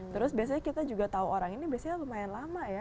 terus biasanya kita juga tahu orang ini biasanya lumayan lama ya